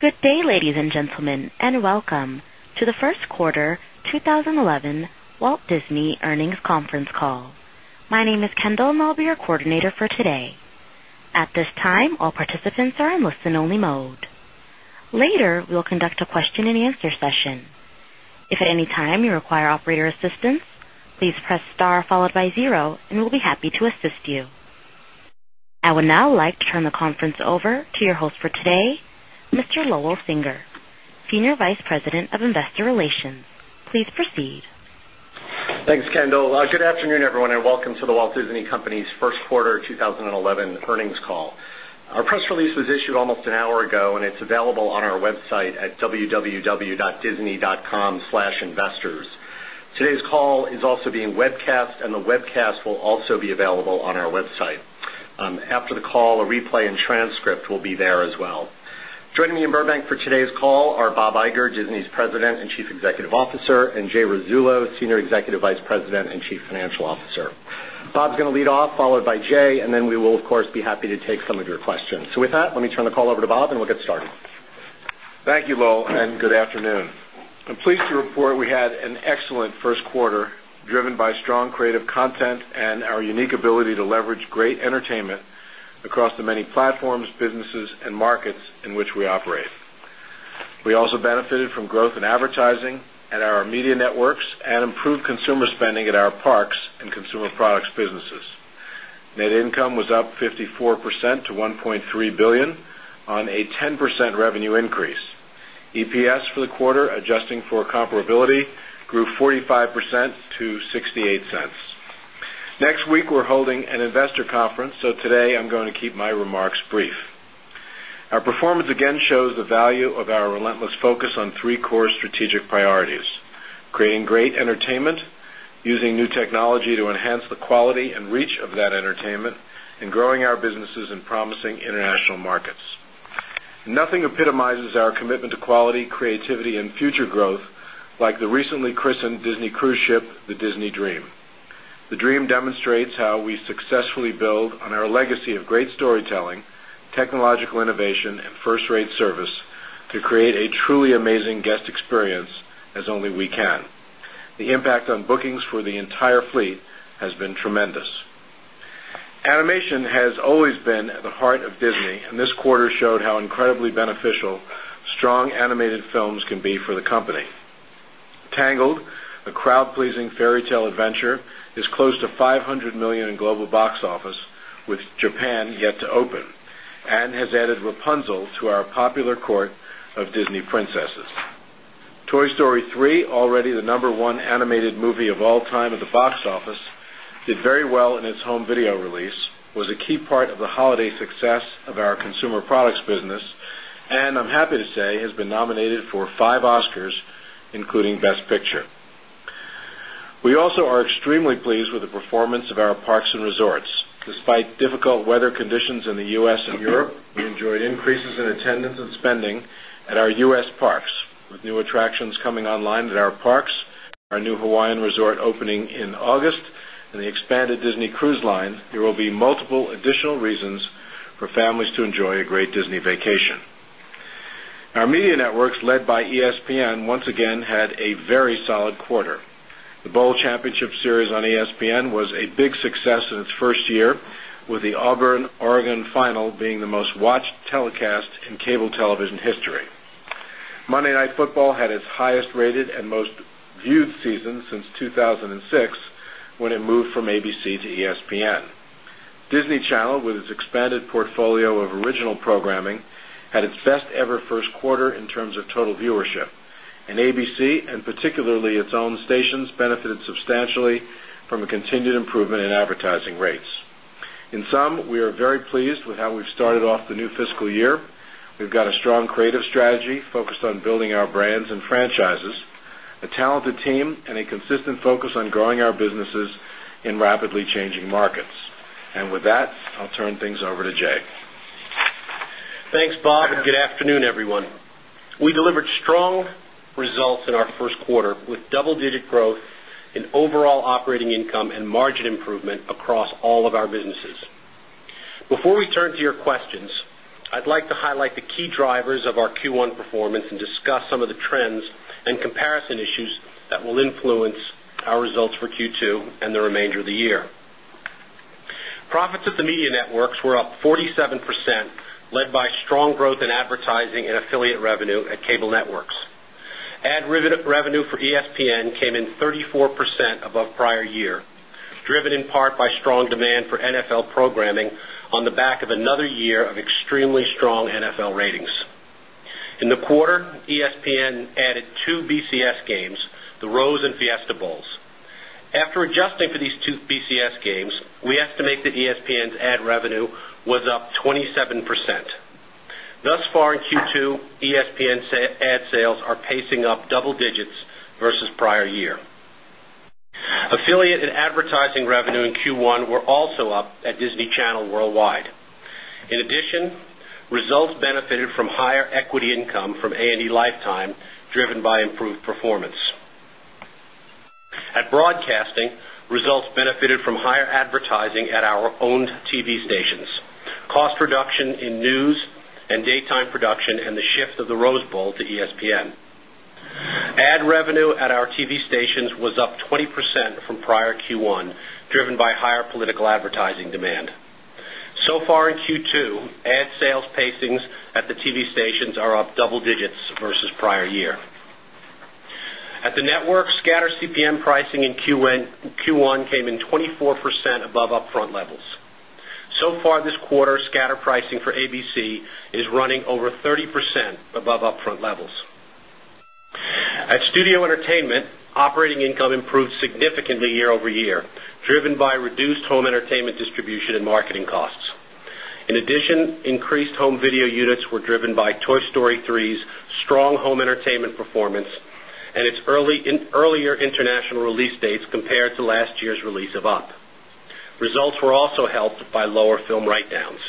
Good day, ladies and gentlemen, and welcome to First Quarter 2011 Walt Disney Earnings Conference Call. My name is Kendall, and I'll be your coordinator for today. At this time, all participants are in a listen only mode. Later, we will conduct a question and answer session. Your your host for today, Mr. Lowell Singer, Senior Vice President of Investor Relations. Please proceed. Thanks, Kendall. Good afternoon, everyone, and welcome to The Walt Disney Company's First Quarter 2011 Earnings Call. Our press release was issued almost an hour ago, and it's available on our website at www conference call. Joining me in Burbank for today's call are Bob Iger, Disney's President and Chief Executive Officer and Jay Rizzullo, Senior Executive Vice President and financial officer. Bob is going to lead off, followed by Jay, and then we will, of course, be happy to take some of your questions. So with that, let me turn the call over to Bob, and we'll get Thank you, Lowell, and good afternoon. I'm pleased to report we had an excellent first quarter driven by strong creative content and our unique to the the call. We benefited from growth in advertising and our media networks and improved consumer spending at our parks and consumer products businesses. Net income was up 54 to the Q1 of 2019. We expect to be in the range of $1,300,000,000 on a 10% revenue increase. EPS for the quarter adjusting for comparability grew 45 to the earnings release of $0.68 Next week, we're holding an investor conference. So today, I'm going to keep my remarks brief. Using new technology to enhance the quality and reach of that entertainment and growing our businesses in promising international markets. Nothing epitomizes our commitment to quality, creativity and future growth like the recently christened Disney cruise ship, the Disney Dream. The dream demonstrates It's how we successfully build on our legacy of great storytelling, technological innovation and first rate service to create a truly amazing guest experience as only we can. The impact on bookings for the entire fleet has been tremendous. Animation has always been at the heart of Disney and this quarter showed how incredibly beneficial strong animated films can be for the company. The Tangled, a crowd pleasing fairy tale adventure is close to $500,000,000 in global box office with Japan yet to open and has added Rapunzel Q1 of 2019. We also are extremely pleased with the performance of our parks and resorts. Despite difficult weather conditions in the U. S. And Europe. We enjoyed increases in attendance and spending at our U. S. Parks with new attractions coming online at our parks, our new Hawaiian Resort opening in August and the expanded Disney Cruise Line, there will be multiple additional reasons for to enjoy a great Disney vacation. Our media networks led by ESPN once again had a very solid quarter. The television history. Monday Night Football had its highest rated and most viewed season since 2006 when it moved from ABC to ESPN. Disney Channel with its expanded portfolio of original programming had its best ever first quarter in terms of total viewership. And Q2. BBC and particularly its own stations benefited substantially from a continued improvement in advertising rates. In sum, we are very pleased with how we've the new fiscal year. We've got a strong creative strategy focused on building our brands and franchises, a talented team and call and a consistent focus on growing our businesses in rapidly changing markets. And with that, I'll turn things over to Jay. Thanks, Bob, and good afternoon, segment across all of our businesses. Before we turn to your questions, I'd like to highlight the key drivers of our Q1 performance and discuss some of the trends and comparison issues that will influence our results for Q2 and the remainder of the year. Profits at the Media Networks were up 47 the 34% above prior year, driven in part by strong demand for NFL programming on the back of another year of extremely strong NFL Q1, ESPN added 2 BCS games, The Rose and Fiesta Bowls. After the the Disney Channel Worldwide. In addition, results benefited from higher equity income from A&E Lifetime driven by improved performance. The At Broadcasting, results benefited from higher advertising at our owned TV stations, cost reduction in news the and Daytime Production and the Shift of the Rose Bowl to ESPN. Ad revenue at our TV stations was the At the network, scatter CPM pricing in Q1 30% above upfront levels. At Studio Entertainment, operating income improved significantly year over year, driven by reduced home entertainment distribution and marketing costs. In addition, increased home video units were driven by Toy Story 3's strong home entertainment performance its earlier international release dates compared to last year's release of UP. Results were also helped by lower film write downs.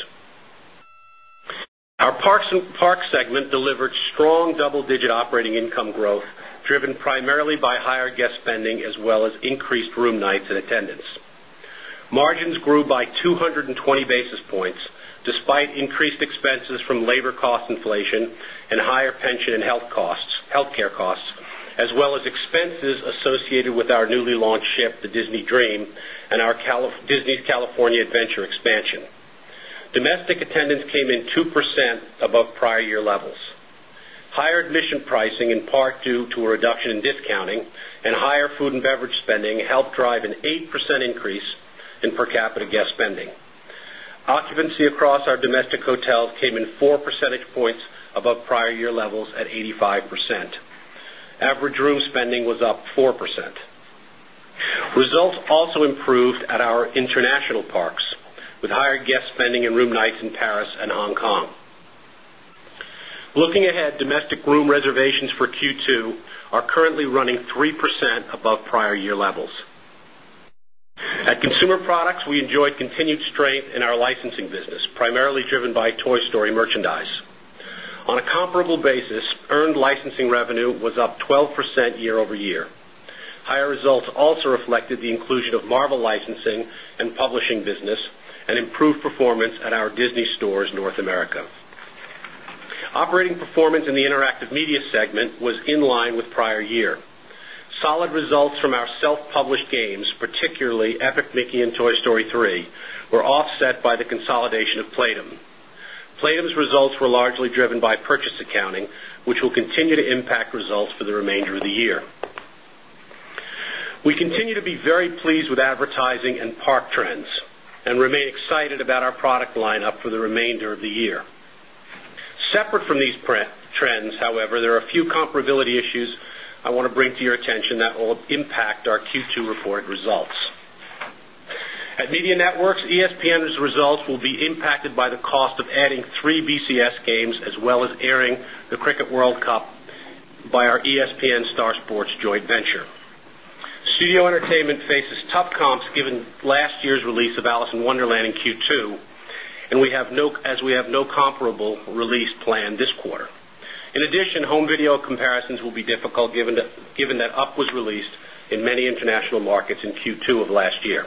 Our Parks segment delivered strong double digit operating income growth, driven primarily by higher guest spending as well as increased room nights and attendance. Margins grew by 2 20 basis points despite increased expenses from labor cost inflation and higher pension California Adventure Expansion. Domestic attendance came in 2% above prior year levels. Higher admission pricing in part due to a reduction in discounting and higher food and beverage spending helped drive an 8% increase in per capita guest spending. Occupancy across our domestic hotels came in 4 percentage points above prior year levels at 85%. Average room spending was up 4%. Results also improved at our international parks with higher guest spending in room nights in Paris and Hong Kong. Looking ahead, domestic room reservations for Q2 are currently running 3% above prior year levels. At earnings release. Earned licensing revenue was up 12% year over year. Higher results also reflected the inclusion of Marvel licensing and publishing business and improved performance at our Disney Stores North America. Operating performance in the Interactive Media segment was in line with prior year. Solid results from our self published games, particularly Epic Mickey and Toy Story 3 were offset by the consolidation of Playdum. Playdum's the Q1 of 2019. Ladies' results were largely driven by purchase accounting, which will continue to impact results for the remainder of the year. We We continue to be very pleased with advertising and park trends and remain excited about our product lineup for the remainder of the year. Separate from these Trends. However, there are a few comparability issues I want to bring to your attention that will impact our Q2 reported results. At Media Networks. ESPN's results will be impacted by the cost of adding 3 BCS games as well as airing the Cricket World Cup by our ESPN Star Sports Joint Venture. Studio Entertainment faces tough comps given last year's release of Alice in Wonderland in Q2 the Q2. And we have no as we have no comparable release planned this quarter. In addition, home video comparisons will be difficult given that UP Q2 of last year.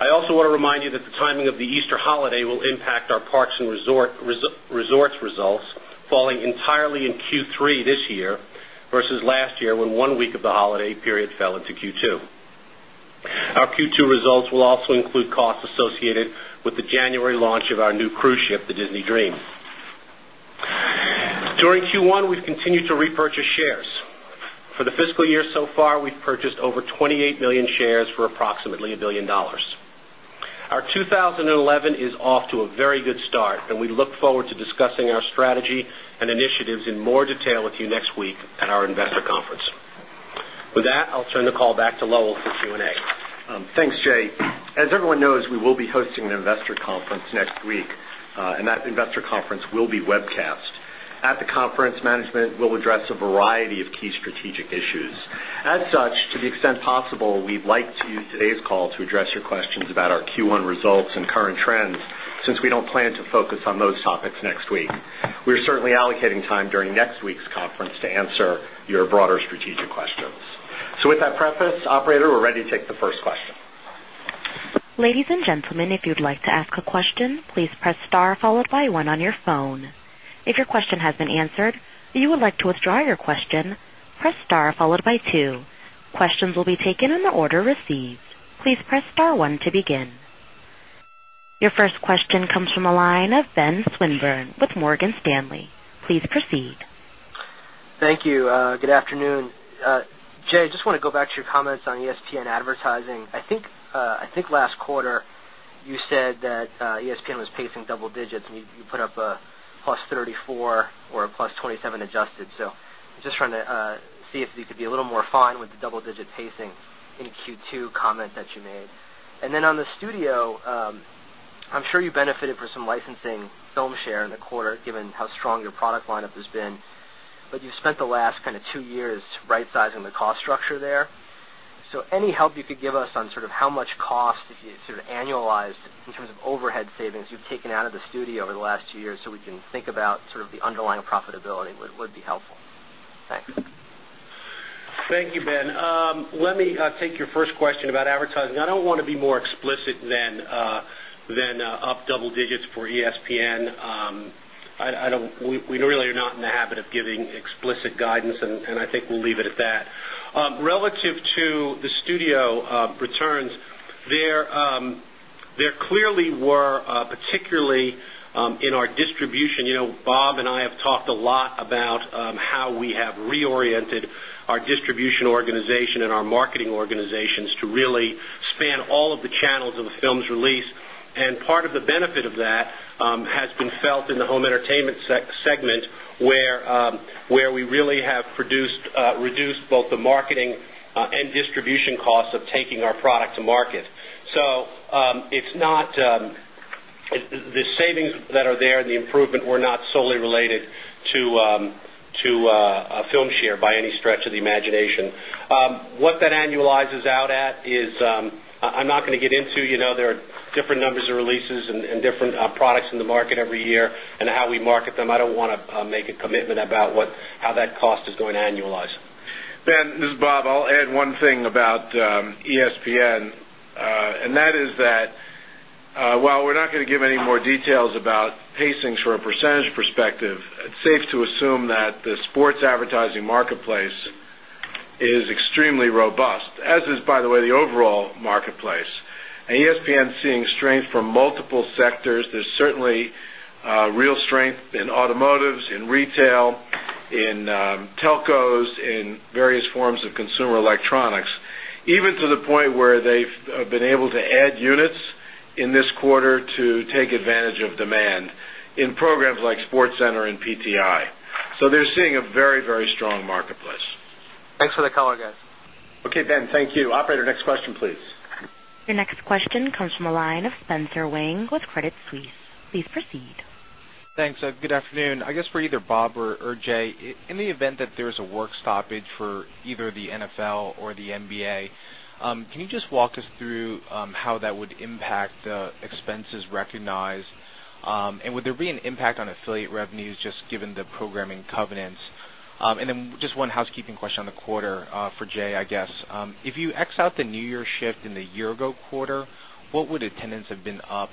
I also want to remind you that the timing of the Easter holiday will impact our parks Resorts results falling entirely in Q3 this year versus last year when 1 week of the holiday period fell into Q2. Our Q2 results will also include costs associated with the January launch of our new cruise ship, the Disney Dream. During the Q1, we've continued to repurchase shares. For the fiscal year so far, we've purchased over 28,000,000 shares for approximately $1,000,000,000 Our 2011 is off to a very good start, and we look forward to discussing our strategy and initiatives in more detail with you next week at Investor Conference. With that, I'll turn the call back to Lowell for Q and A. Thanks, Jay. As everyone knows, we will be hosting an Investor Conference next week, and that investor conference will be webcast. At the conference, management will address variety of key strategic issues. As such, to the extent possible, we'd like to use today's call to address your questions about our Q1 results and the current trends since we don't plan to focus on those topics next week. We are certainly allocating time during next week's conference to answer your broader strategic questions. So with With that preface, operator, we're ready to take the first the the Endley. Please proceed. Thank you. Good afternoon. Jay, I just want to go back to your comments on ESPN Advertising. I think last the Q1. You said that ESPN was pacing double digits and you put up a plus 34 or a plus 27 adjusted. So just trying to see if to the You benefited for some licensing film share in the quarter given how strong your product lineup has been. But you've spent the last kind of 2 years rightsizing the cost structure there. So any Any help you could give us on sort of how much cost sort of annualized in terms of overhead savings you've taken out of the studio over the last 2 years, so we can think about sort of the underlying profitability Thank you, Ben. Let me take your first question about advertising. I don't want to be more explicit than the And up double digits for ESPN. I don't we really are not in the habit of giving explicit guidance, and I think we'll leave it at that. Relative to the studio returns. There clearly were particularly in our distribution, Bob and I have talked a lot about how we have reoriented our distribution organization and our marketing organizations to really span all of the channels the film's release. And part of the benefit of that has been felt in the home entertainment segment where we really have produced Both the marketing and distribution costs of taking our product to market. So, it's not the savings the I'm not going to get into, there are different numbers of releases and different products in the market every year and How we market them, I don't want to make a commitment about what how that cost is going to annualize. Ben, this is Bob. I'll add one thing about ESPN the And that is that, while we're not going to give any more details about pacings from a percentage perspective, it's safe to assume the the sectors. There's certainly real strength in automotives, in retail, in telcos, in various forms of consumer the the in programs like SportsCenter and PTI. So they're seeing a very, very strong marketplace. Thanks for the color, guys. Okay, Ben. Thank you. Operator, next question please. Your next question comes from the line of Spencer Wang with Credit Suisse. Please proceed. Thanks. Good afternoon. I guess for either Bob or Jay, in the event that there is a work stoppage for either the NFL or the NBA, Can you just walk us through how that would impact expenses recognized? And would there be impact on affiliate revenues just given the programming covenants. And then just one housekeeping question on the quarter for Jay, I guess. If you ex out the New Year shift in the year ago quarter. What would attendance have been up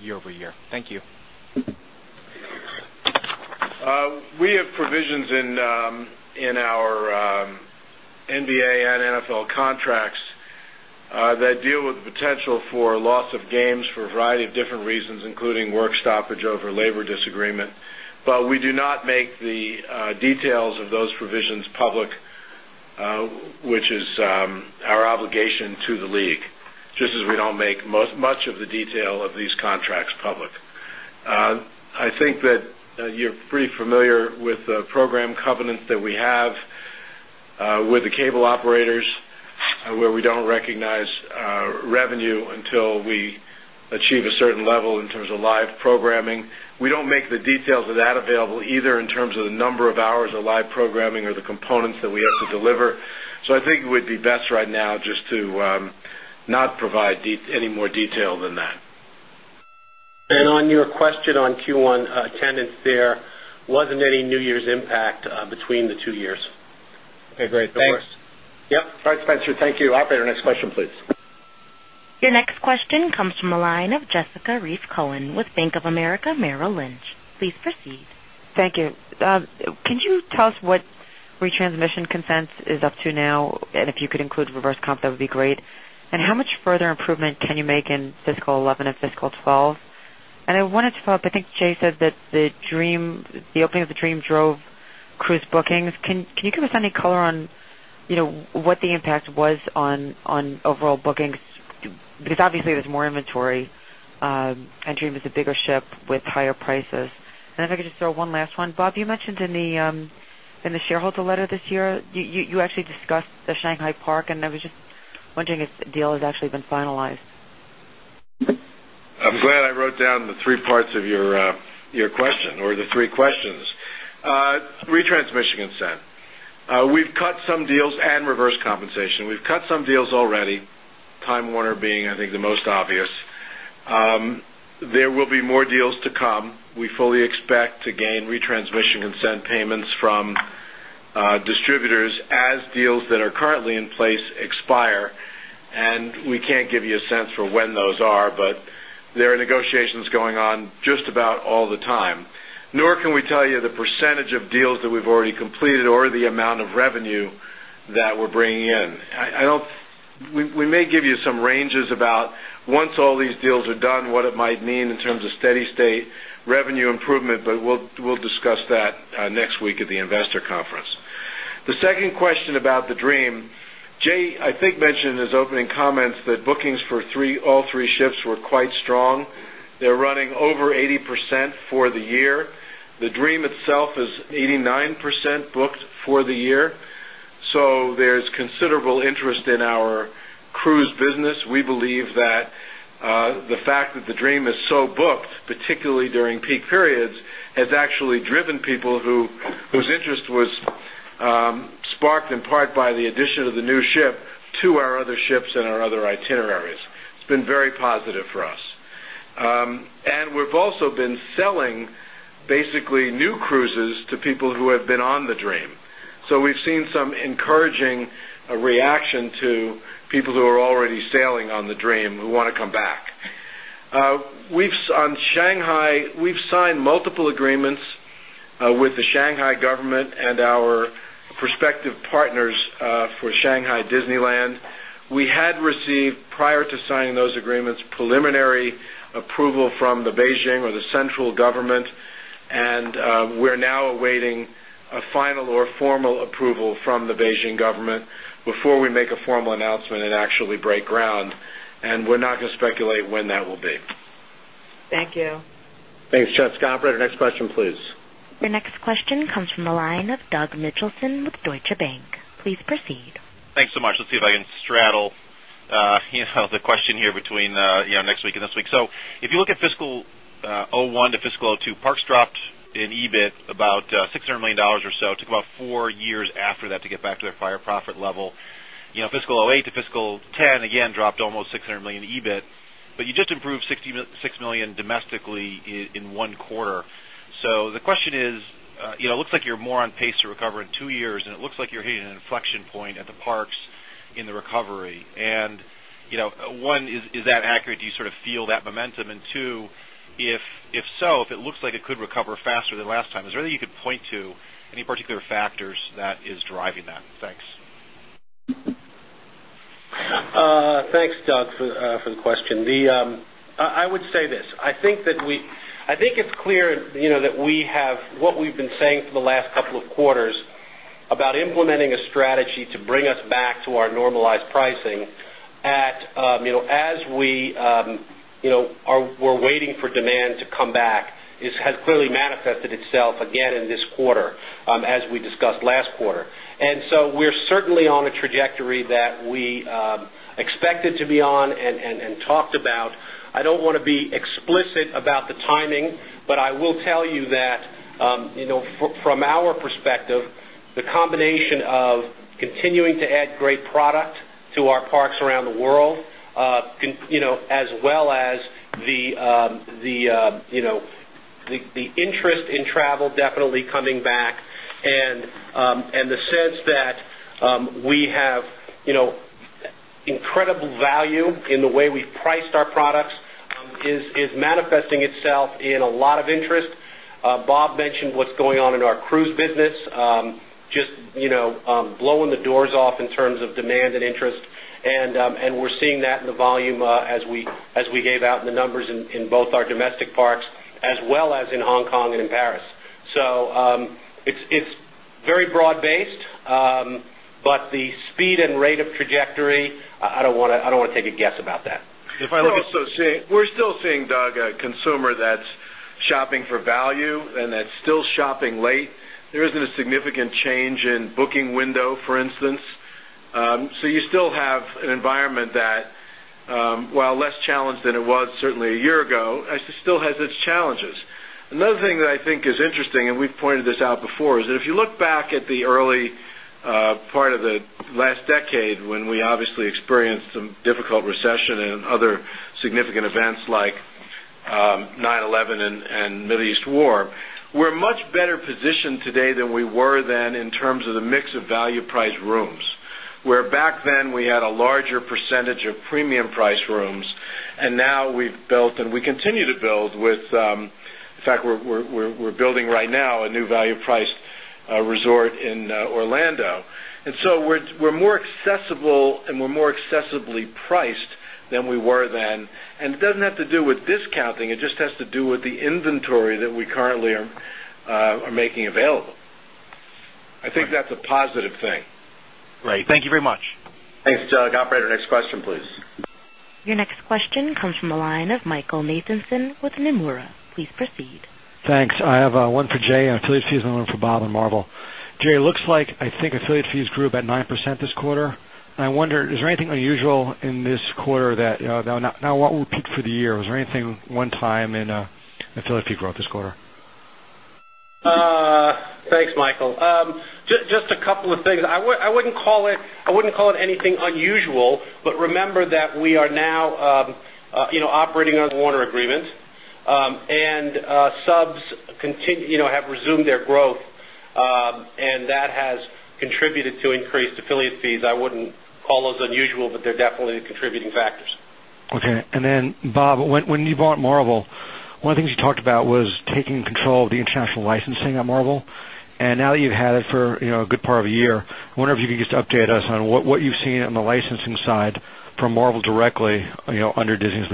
year over year? Thank you. We have provisions in our NBA and NFL contracts the They deal with potential for loss of games for a variety of different reasons, including work stoppage over labor disagreement. But We do not make the details of those provisions public, which is our obligation to the league, just as we don't make the Much of the detail of these contracts public. I think that you're pretty familiar with the program covenants that we have with the cable operators where we don't recognize revenue until we achieve a certain level In terms of live programming, we don't make the details of that available either in terms of the number of hours of live programming or the components that we have to deliver. So I think the attendance there wasn't any New Year's impact between the 2 years. Okay, great. Thanks. Yes. All right, Spencer. Thank you. Operator, next question please. Your next question comes from the line of Jessica Reif Cohen with Bank of America Merrill Lynch. Please proceed. Thank you. Can Can you tell us what retransmission consent is up to now? And if you could include reverse comp, that would be great? And how much further improvement can you make in fiscal 'eleven and fiscal 'twelve. And I wanted to follow-up, I think Jay said that the dream the opening of the dream drove Cruise bookings. Can you give us any color on what the impact was on overall bookings? Because obviously there's the Q4. And Dream is a bigger ship with higher prices. And if I could just throw one last one. Bob, you mentioned in the shareholder letter this year. You actually discussed the Shanghai Park and I was just wondering if the deal has actually been finalized. I'm glad I wrote down the three parts of your question or the three questions. Retransmission consent, we've cut some deals and reverse compensation. We've cut some deals already, Time Warner being, I think, the most obvious. There will be more deals to come. We fully Back to gain retransmission consent payments from distributors as deals that are currently in place expire. And We can't give you a sense for when those are, but there are negotiations going on just about all the time, nor can we the I'll tell you the percentage of deals that we've already completed or the amount of revenue that we're bringing in. I don't we may give you some range Once all these deals are done, what it might mean in terms of steady state revenue improvement, but we'll discuss that next week at the Investor Conference. The Second question about the Dream. Jay, I think mentioned in his opening comments that bookings for 3 all three ships were quite strong. They They're running over 80% for the year. The Dream itself is 89% booked for the year. So there considerable interest in our cruise business. We believe that the fact that the dream is so booked, particularly during new ship to our other ships and our other itineraries. It's been very positive for us. And we've to people who are already sailing on the dream who want to come back. We've on Shanghai, we've signed multiple agreements with the Shanghai Shanghai government and our prospective partners for Shanghai Disneyland. We had received prior to signing the preliminary approval from the Beijing or the central government. And we're now awaiting a final or formal approval from the Beijing government before we make a formal announcement and actually break ground, and we're not going to speculate when that will be. The Thank you. Thanks, Jessica. Operator, next question please. Your next question comes from the line of Doug Mitchelson with Deutsche the bank. Please proceed. Thanks so much. Let's see if I can straddle the question here between next week and next week. If you look at fiscal 'one to fiscal 'two, parks dropped in EBIT about $600,000,000 or so, took about 4 years after that to get back to their prior profit Fiscal 'eight to fiscal 'ten again dropped almost $600,000,000 EBIT, but you just improved $66,000,000 domestically So the question is, it looks like you're more on pace to recover in 2 years and it looks like you're hitting an inflection point at the parks in the recovery. And one, is that accurate? Do you sort of feel the Q1 of 2019. And 1, is that accurate? Do you sort of feel that momentum? And 2, if so, if it looks like it could recover faster than last time, is there anything you could point Any particular factors that is driving that? Thanks. Thanks, Doug, for the question. I would say the I think that we I think it's clear that we have what we've been saying for the last couple of quarters about implementing a strategy to bring us back to our normalized pricing at as we are waiting for demand to come back, it has clearly manifested itself again in this quarter, as we discussed last quarter. And so we're certainly on a trajectory that we expected to be on and talked the the combination of continuing to add great product to our parks around the world, as well as the The interest in travel definitely coming back and the sense that we Incredible value in the way we've priced our products is manifesting itself in a lot of the Bob mentioned what's going on in our cruise business, just blowing the doors off in terms of demand and interest. And we're seeing Nat and the volume as we gave out the numbers in both our domestic parks as well as in Hong Kong and in Paris. So it's very broad based, but the speed and rate of trajectory, I don't want to take a guess about that. If I look We're still seeing Doug, a consumer that's shopping for value and that's still shopping late. There isn't a significant change in booking window So, for instance, so you still have an environment that, while less challenged than it was certainly a year ago, it still has its challenges. Another thing that I think is interesting and we've pointed this out before is that if you look back at the early part of the last decade the When we obviously experienced some difficult recession and other significant events like 9eleven and Middle East War, we're much better position today than we were then in terms of the mix of value price rooms, where back then we had a larger percentage of premium price the West Resort in Orlando. And so we're more accessible and we're more excessively priced than we And it doesn't have to do with discounting, it just has to do with the inventory that we currently are making available. I think that's a Positive thing. Great. Thank you very much. Thanks, Doug. Operator, next question please. Your next question comes from the line of Michael Nathanson with Nomura. The Thanks. I have one for Jay and affiliate fees and one for Bob and Marble. Jay, it looks like I think affiliate fees grew about 9% this quarter. And I wonder, is Is there anything unusual in this quarter that now what will peak for the year? Was there anything one time in the Philippines growth this quarter? The Thanks, Michael. Just a couple of things. I wouldn't call it anything unusual, but remember the We are now operating on Warner agreements and subs have resumed their the And that has contributed to increased affiliate fees. I wouldn't call those unusual, but they're definitely contributing the Okay. And then Bob, when you bought Marvel, one of the things you talked about was taking control of the international licensing on Marvel. And now that you've had it for a good part of the year. I wonder if you could just update us on what you've seen on the licensing side from Marvel directly under Disney's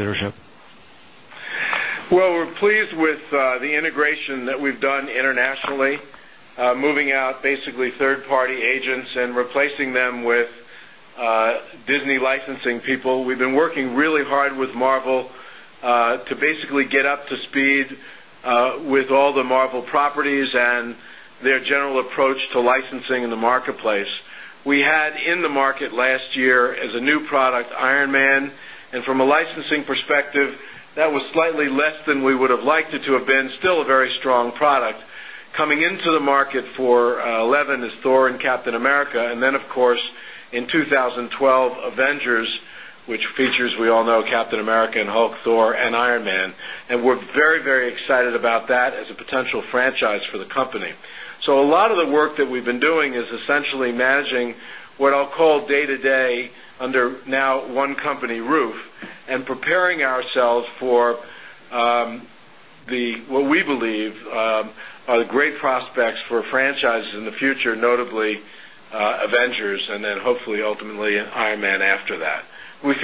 Well, we're pleased with the integration that we've done internationally, moving out basically third party agents and the Disney licensing people. We've been working really hard with Marvel to basically get up to speed With all the Marvel properties and their general approach to licensing in the marketplace, we had in the market last year as a new product Ironman. And from a licensing perspective, that was slightly less than we would have liked it to have been, still a very strong product. Coming into the market for 11 is Thor and Captain America and then of course in 2012 Avengers, which features we all know Captain America the And we're very, very excited about that as a potential franchise for the company. So a lot of the work that we've been doing is essentially Managing what I'll call day to day under now one company roof and preparing ourselves for the what We believe, great prospects for franchises in the future, notably, Avengers and then hopefully, ultimately, Iron Man after that. We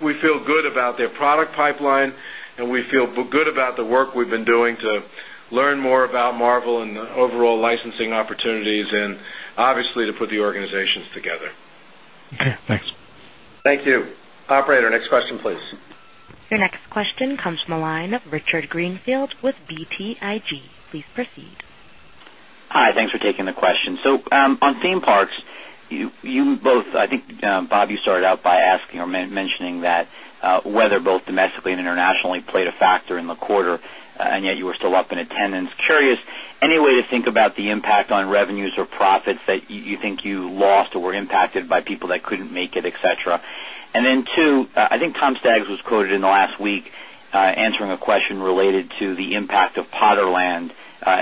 We feel good about their product pipeline and we feel good about the work we've been doing to learn more about Marvel and the overall licensing opportunities and obviously the Put the organizations together. Okay. Thanks. Thank you. Operator, next question please. Your next question comes from the line of Richard Greenfield with BTIG. Please proceed. Hi. Thanks for taking the question. So on theme parks, you both I think, Bob, you started out by asking or mentioning that weather both domestically and internationally played a factor in the quarter, and yet you were the And then 2, I think Tom Staggs was quoted in the last week answering a question related to the impact of the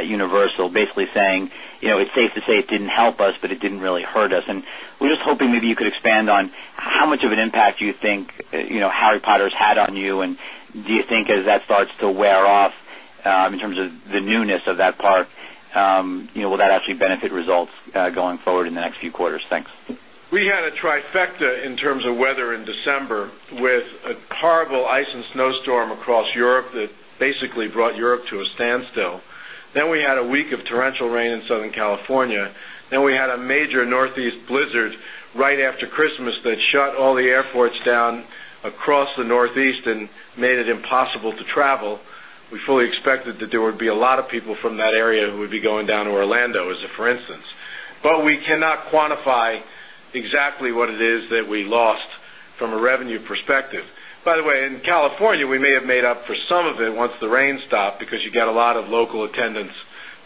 Universal basically saying, it's safe to say it didn't help us, but it didn't really hurt us. And we're just hoping maybe you could And on how much of an impact do you think Harry Potter has had on you? And do you think as that starts to wear off in terms of the newness of that park, the Will that actually benefit results going forward in the next few quarters? Thanks. We had a trifecta in terms of weather in the rain in Southern California. And we had a major Northeast blizzard right after Christmas that shut all the airports down across the Northeast the made it impossible to travel. We fully expected that there would be a lot of people from that area who would be going down to Orlando as a for instance. But we I cannot quantify exactly what it is that we lost from a revenue perspective. By the way, in California, we may have made up for the Some of it once the rain stop because you get a lot of local attendance,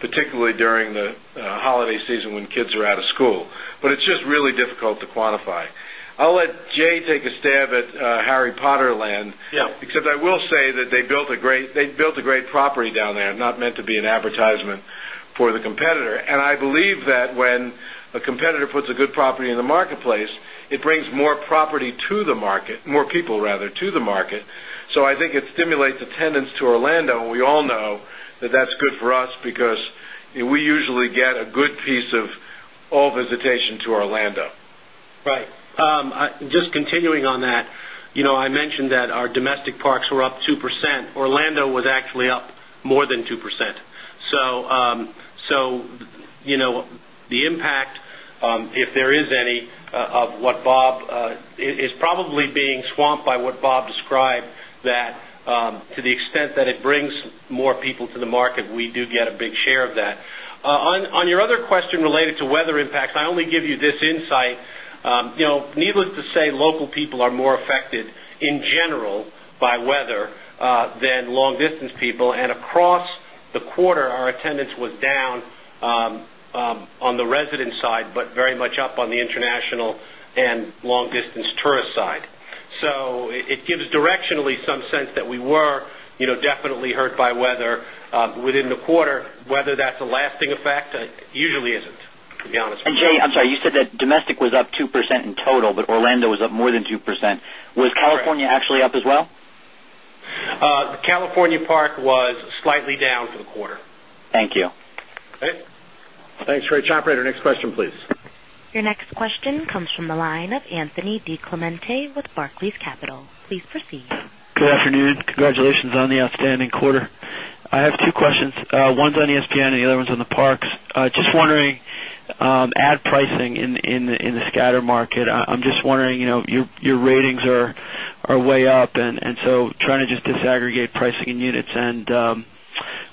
particularly during the holiday season when kids are out of school, but it's just really difficult to quantify. I I'll let Jay take a stab at Harry Potter land. Yes. Except I will say that they built a great property down there, not meant to the an advertisement for the competitor. And I believe that when a competitor puts a good property in the marketplace, it brings more property to the market more people to the market. So I think it stimulates attendance to Orlando. We all know that that's good for us because we usually get a good piece of all visitation to Orlando. Right. Just continuing on that, I mentioned that our domestic parks were up 2 Orlando was actually up more than 2%. So the impact, if there is any of what the Bob is probably being swamped by what Bob described that to the extent that it brings more people to the market, we do get a big share of that. The On your other question related to weather impacts, I only give you this insight. Needless to say, local people are more the the the the It really isn't, to be honest with you. And Jay, I'm sorry, you said that domestic was up 2% in total, but Orlando was up more than 2%. Was California actually up as well? The California Park was slightly down for the quarter. Thank you. Thanks, Rich. Operator, next question please. Your next question comes from the line of Anthony DiClemente with Barclays Capital. Please proceed. Good afternoon. Congratulations on the outstanding quarter. I have two questions. One's on ESPN and the other the parks. Just wondering, ad pricing in the scatter market, I'm just wondering, your ratings are way up and So trying to just disaggregate pricing and units and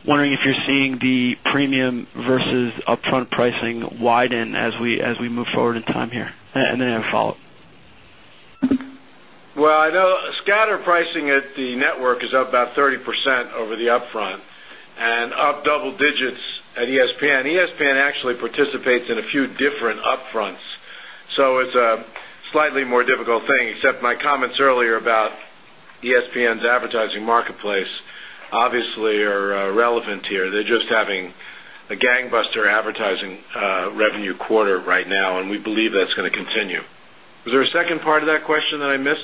wondering if you're seeing the premium versus upfront pricing widen As we move forward in time here. And then I have a follow-up. Well, I know scatter pricing at the network is up about 30 the slightly more difficult thing except my comments earlier about ESPN's advertising marketplace, obviously, are relevant here. They're just Having a gangbuster advertising revenue quarter right now, and we believe that's going to continue. Was there a second part of that question that I missed?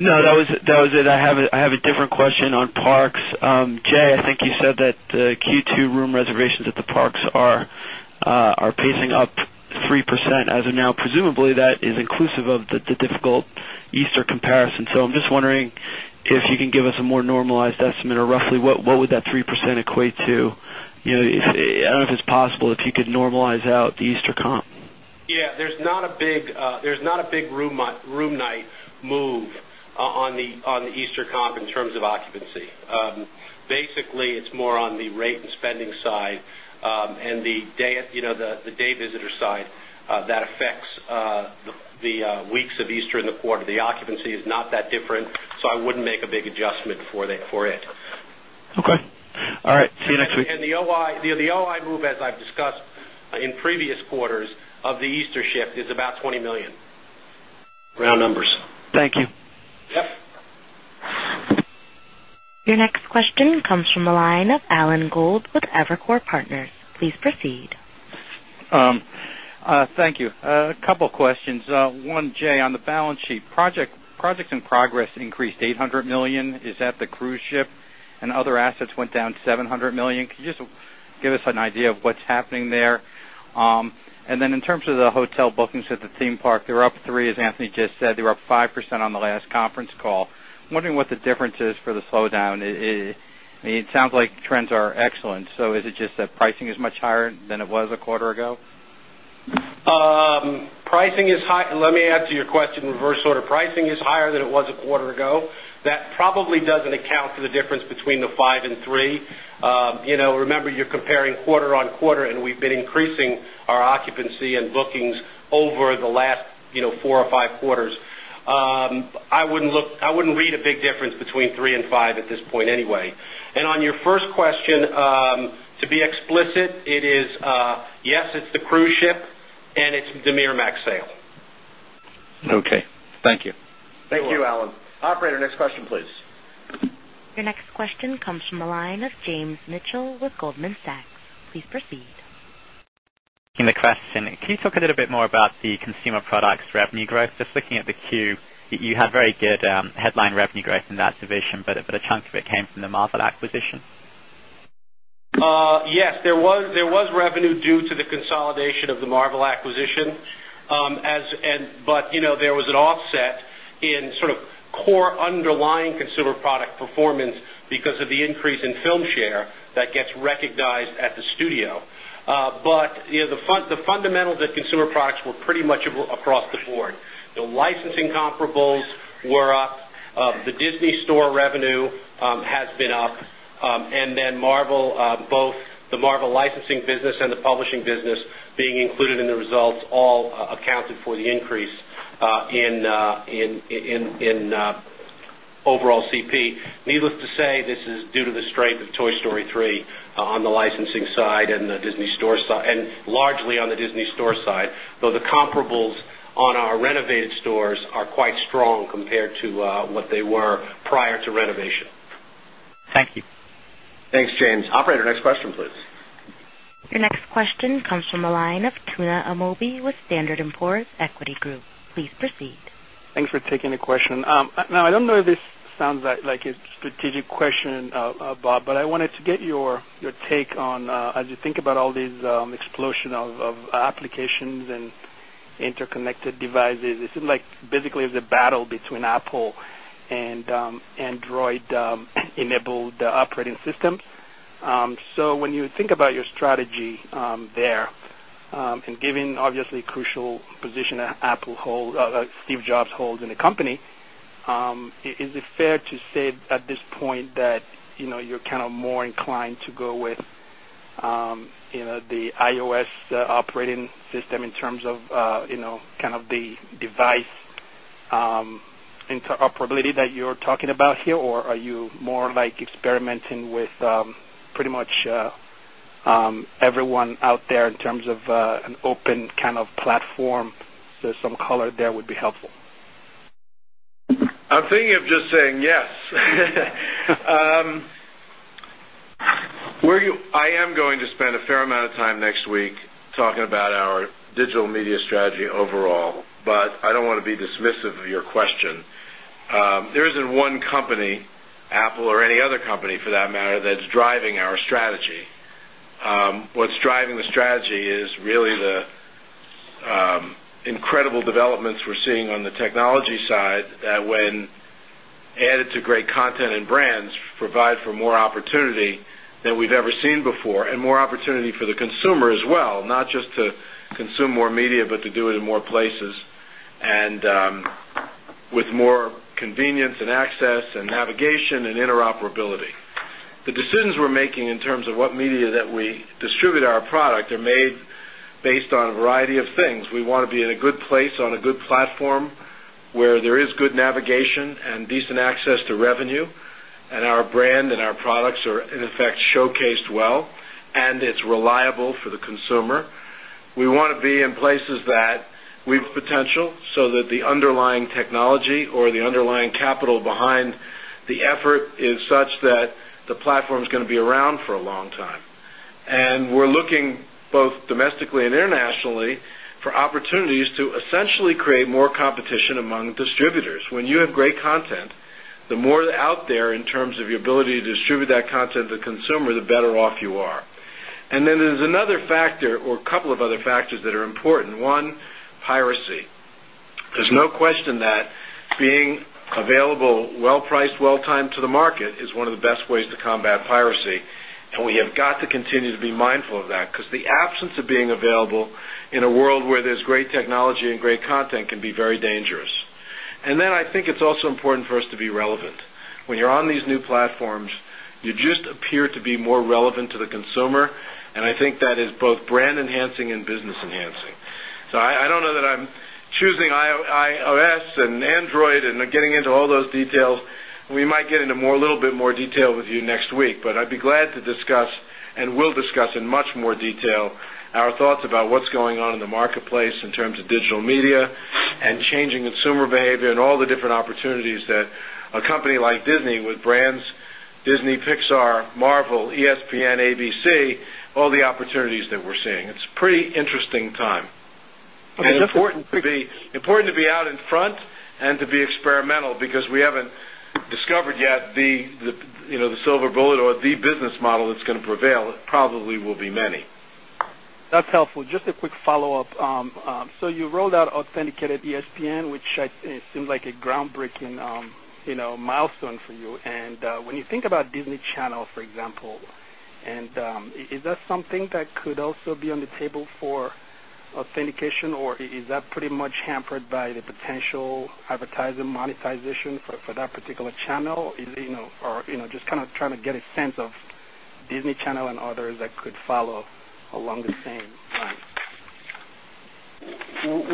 No, the That was it. I have a different question on parks. Jay, I think you said that Q2 room reservations at the parks Give us a more normalized estimate or roughly what would that 3% equate to? I don't know if it's possible if you could normalize the Easter comp. Yes, there's not a big room night move on the Easter comp in terms of occupancy. Basically, it's more on the rate and spending side and the day visitor side that affects the weeks of Easter the quarter. The occupancy is not that different, so I wouldn't make a big adjustment for it. Okay. All right. See you next week. And the OI I move as I've discussed in previous quarters of the Easter shift is about $20,000,000 Round numbers. Thank you. Yes. Thank you. A couple of questions. 1, Jay, on the balance sheet, projects in progress increased $800,000,000 Is that the cruise ship and other assets went down $700,000,000 Could you just give us an idea of what's happening there? And then in In terms of the hotel bookings at the theme park, they were up 3%, as Anthony just said, they were up 5% on the last conference call. Wondering what the difference is for the slowdown? I mean, It sounds like trends are excellent. So is it just that pricing is much higher than it was a quarter ago? Pricing is high let me To answer your question, reverse order pricing is higher than it was a quarter ago. That probably doesn't account for the difference between the 53. Remember, you're Q2 on quarter, and we've been increasing our occupancy and bookings over the last 4 or 5 quarters. The I wouldn't read a big difference between 35 at this point anyway. And on your first question, It is yes, it's the cruise ship and it's the Miramax sale. Okay. Thank you. Thank you, Alan. Operator, question please. Your next question comes from the line of James Mitchell with Goldman Sachs. Please proceed. The question. Can you talk a little bit more about the consumer products revenue growth? Just looking at the Q, you had very good headline revenue growth in that division, but a chunk of it came from the Marvel acquisition. Yes, there was revenue due to the consolidation of the Marvel acquisition, But there was an offset in sort of core underlying consumer product performance because of the increase the film share that gets recognized at the studio. But the fundamentals of consumer products were pretty much across the board. The licensing comparables were up, Both were up. The Disney Store revenue has been up. And then Marvel both the Marvel licensing business and the publishing business being included in the results all accounted for the increase in overall CP. Needless to say, this to the strength of Toy Story 3 on the licensing side and the Disney Store side and largely on the Disney Store side, though the comparables on our renovated stores are quite strong compared to what they were prior to renovation. Thank the Thanks, James. Operator, next question please. Your next question comes from the line of Tuna Amobee with Standard and Poor's Equity Group. Please proceed. Thanks for taking the question. Now I don't know if this sounds like a strategic question, Bob, but the It seems like basically it's a battle between Apple and Android enabled operating system. So when you think about your strategy there and given obviously crucial position Apple hold the Steve Jobs Holding the Company. Is it fair to say at this point that you're kind of more inclined to go with the Ios operating system in terms of kind of the device interoperability That you're talking about here or are you more like experimenting with pretty much everyone out there in terms the I'm thinking of just saying yes. The I am going to spend a fair amount of time next week talking about our digital media strategy overall, but I don't want I'll be dismissive of your question. There isn't one company, Apple or any other company for that matter that's driving our strategy. What's driving the strategy is really the incredible developments we're seeing on the technology the When added to great content and brands provide for more opportunity than we've ever seen before and more opportunity for the consumer as well, not just the To consume more media, but to do it in more places and with more convenience and access the Navigation and Interoperability. The decisions we're making in terms of what media that we distribute our product are made based on a variety of We want to be in a good place on a good platform where there is good navigation and decent access to revenue and our brand and our products are the potential so that the underlying technology or the underlying capital behind the effort is such that the platform is going to be around for a long time. The And we're looking both domestically and internationally for opportunities to essentially create more competition among distributors. When you have great content. The more out there in terms of your ability to distribute that content to consumer, the better off you are. And then There's another factor or a couple of other factors that are important. 1, piracy. There's no question that being available, well priced, Well timed to the market is one of the best ways to combat piracy, and we have got to continue to be mindful of that because the absence of being available in In a world where there's great technology and great content can be very dangerous. And then I think it's also important for us to be relevant. When you're on these new platforms. You just appear to be more relevant to the consumer, and I think that is both brand enhancing and business So I don't know that I'm choosing iOS and Android and getting into all those details. We might get into more a little In more detail with you next week, but I'd be glad to discuss and will discuss in much more detail our thoughts about what's going on in the marketplace in terms of digital media and changing consumer behavior and all the different opportunities that a company like Disney with brands Disney, Pixar, Marvel, ESPN ABC, all the opportunities that we're seeing. It's pretty interesting time. It's important to the It's important to be out in front and to be experimental because we haven't discovered yet the silver bullet or the business model that's going to prevail, That's helpful. Just a quick follow-up. So you rolled out authenticated ESPN, which seems like a groundbreaking milestone for you. And when you think about Disney Channel, for example, and is that something That could also be on the table for authentication or is that pretty much hampered by the potential advertising monetization for that particular channel? Just kind of trying to get a sense of Disney Channel and others that could follow along the same time.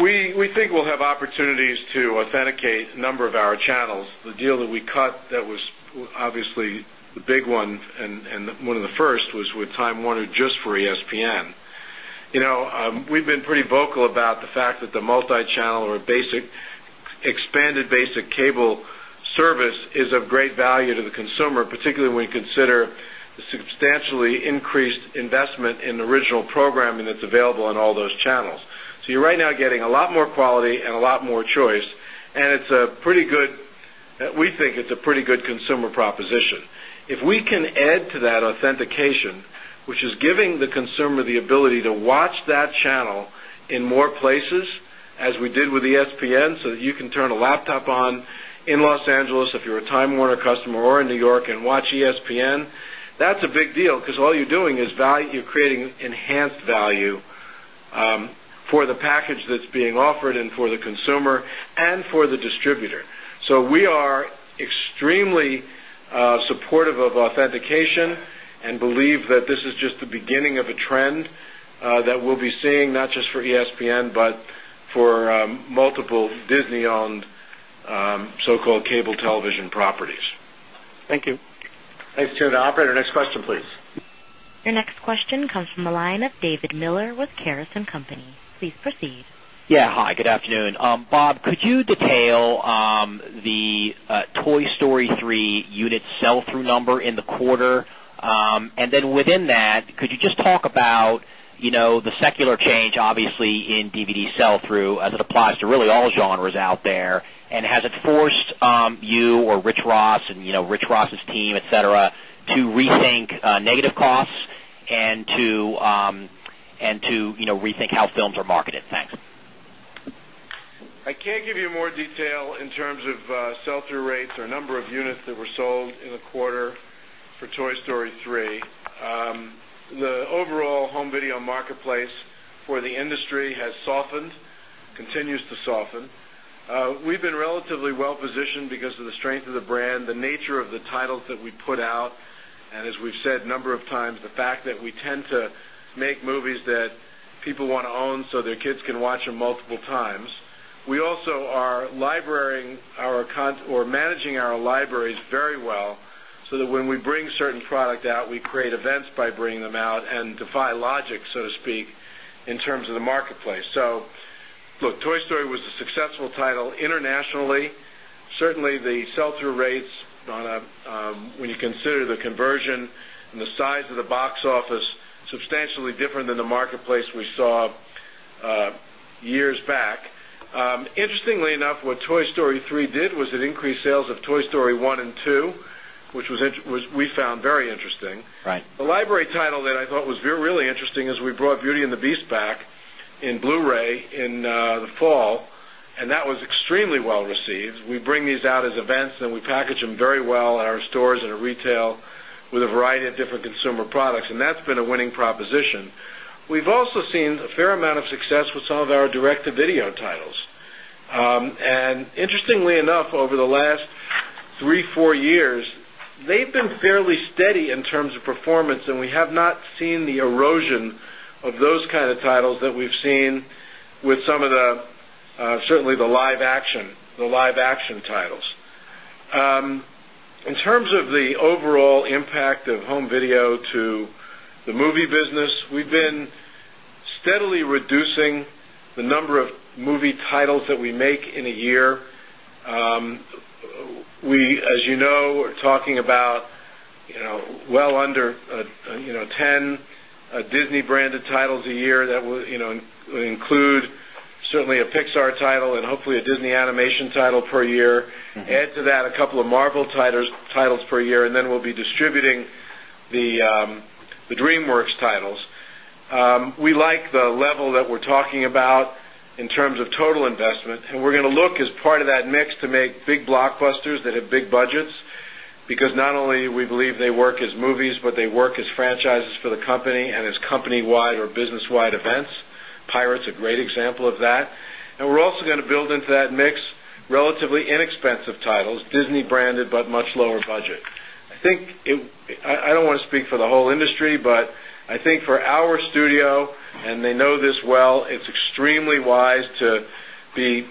We think we'll have opportunities to authenticate a number of our channels. The deal that we cut that was obviously the big And one of the first was with Time Warner just for ESPN. We've been pretty vocal about the fact that the multichannel or the expanded basic cable service is of great value to the consumer, particularly when you consider the substantially increased investment in original programming that's available on all those channels. So you're right now getting a lot more quality and a lot more choice and it's a pretty good we think it's a pretty consumer proposition. If we can add to that authentication, which is giving the consumer the ability to watch that channel in the More places as we did with ESPN, so that you can turn a laptop on in Los Angeles if you're a Time Warner customer or in New York and watch ESPN. That's the That's a big deal because all you're doing is value you're creating enhanced value for the package that's being offered the consumer and for the distributor. So we are extremely supportive of Dedication and believe that this is just the beginning of a trend that we'll be seeing not just for ESPN, but for multiple Disney the so called cable television properties. Thank you. Thanks, Judah. Operator, next question please. Your next question comes from the line of David Miller with Karas and Company. Please proceed. Yes. Hi, good afternoon. Bob, could you detail the the change obviously in DVD sell through as it applies to really all genres out there. And has it forced you or Rich Ross and Rich process team, etcetera, to rethink negative costs and to rethink how films are quarter for Toy Story 3. The overall home video marketplace for the industry has conference continues to soften. We've been relatively well positioned because of the strength of the brand, the nature of the titles that we And as we've said a number of times, the fact that we tend to make movies that people want to own so their kids can watch Multiple times. We also are librating our content or managing our libraries very well, so that when We bring certain product out. We create events by bringing them out and defy logic, so to speak, in terms of the marketplace. So look, Toy Story was a successful title Internationally, certainly the sell through rates on a when you consider the conversion and the size of the box office substantially different than the marketplace we saw years back. Interestingly enough, what Toy Story 3 What we did was it increased sales of Toy Story 1 and 2, which was we found very interesting. Right. The library title that I What was really interesting is we brought Beauty and the Beast back in Blu Ray in the fall and that was extremely well proceeds. We bring these out as events and we package them very well in our stores and retail with a variety of different consumer products and that's been a winning proposition. We've also We've seen a fair amount of success with some of our direct to video titles. And interestingly enough, over the last the 3, 4 years, they've been fairly steady in terms of performance and we have not seen the erosion of those kind of titles that we've seen with some of the certainly the live action titles. In terms of the overall impact of home video to the movie business, we've been steadily reducing the number of movie titles that we make in a year. We, as you know, are talking about well under 10 the Disney branded titles a year that will include certainly a Pixar title and hopefully a Disney animation title per year. Add to that a couple of Marvel titles per year and then we'll be distributing the DreamWorks titles. The We like the level that we're talking about in terms of total investment. And we're going to look as part of that mix to make big blockbusters that have the budgets, because not only we believe they work as movies, but they work as franchises for the company and as company wide or business wide Pirates, a great example of that. And we're also going to build into that mix relatively inexpensive titles, Disney branded, but much lower project. I think I don't want to speak for the whole industry, but I think for our studio and they know this well, it's extremely wise the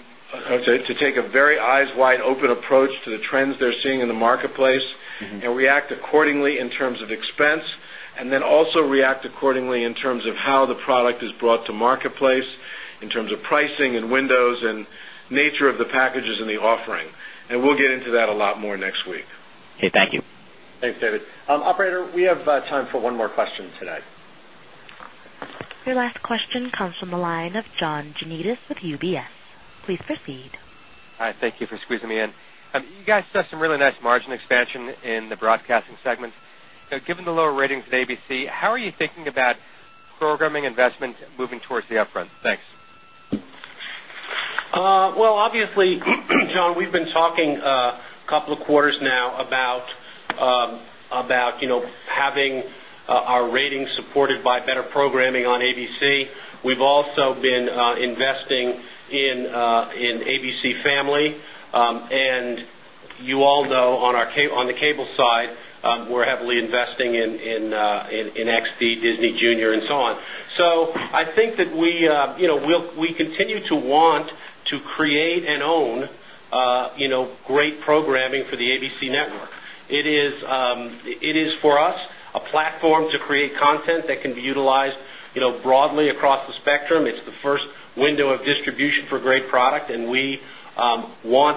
To take a very eyes wide open approach to the trends they're seeing in the marketplace and react accordingly in terms of expense and then also react accordingly in terms of how the product is brought to marketplace in terms of pricing and windows and nature of the packages and the offering. And we'll get into that a lot more next week. Okay. Thank you. Thanks, David. Operator, we have time for one more question Good night. Your last question comes from the line of John DeNiedis with UBS. Please proceed. Hi. Thank you for squeezing me in. You guys saw some margin expansion in the Broadcasting segment. Given the lower ratings at ABC, how are you thinking about programming investments moving towards the upfront? Thanks. Well, obviously, John, we've been talking a couple of quarters now about having Our ratings supported by better programming on ABC. We've also been investing in ABC So I think that we continue to want to create and own great programming for the ABC Network. It is for us a platform to create content that can be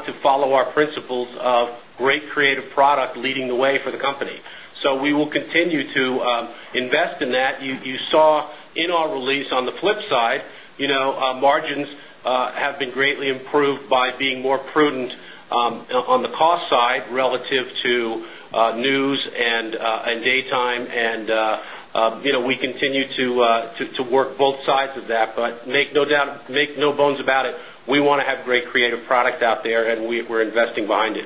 the follow our principles of great creative product leading the way for the company. So we will continue to invest in that. You the news and daytime. And we continue to work both sides of the Make no bones about it. We want to have great creative products out there and we're investing behind it.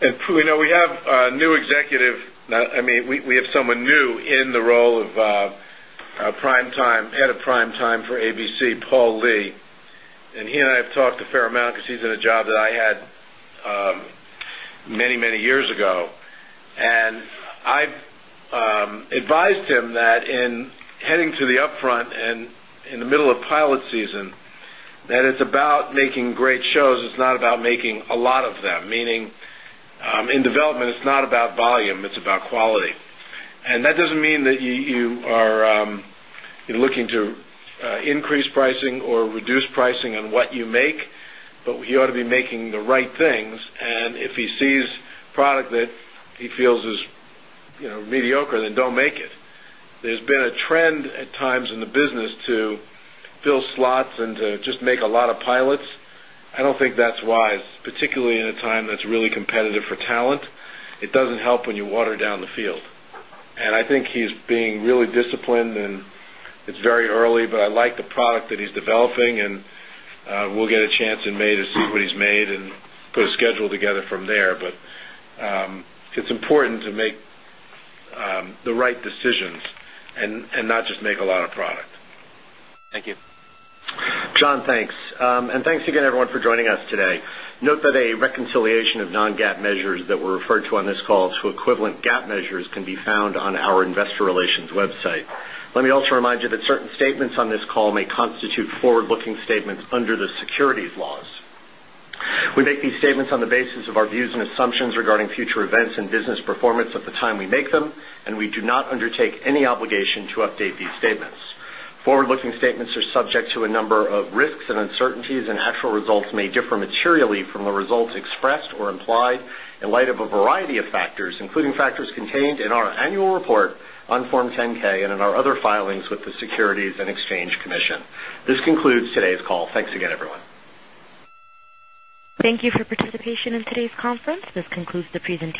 And, Pui, we have new the I mean, we have someone new in the role of Prime Time, Head of Prime Time for ABC, Paul Lee. And he and I have talked a fair amount because he's in a job that I had many, many years ago. And I the Advised him that in heading to the upfront and in the middle of pilot season that it's about making great shows, it's not about making the a lot of that, meaning, in development, it's not about volume, it's about quality. And that doesn't mean that you are looking to Make a lot of pilots. I don't think that's wise, particularly in a time that's really competitive for talent. It doesn't help when you water down the field. And I think he's being really disciplined and it's very early, but I like the product that he's developing and we'll get a chance to the John, thanks. And thanks again, everyone, for joining us today. Note that a reconciliation non GAAP measures that were referred to on this call to equivalent GAAP measures can be found on our Investor Relations website. Let me also remind you that certain statements on this call may SECURITIES. We make these statements on the basis of our views and assumptions regarding future events and business performance at the time we the and we do not undertake any obligation to update these statements. Forward looking statements are subject to a number of risks and uncertainties, and actual results may differ call. Securities and Exchange Commission. This concludes today's call. Thanks again, everyone. Thank you for participation in today's conference. This concludes the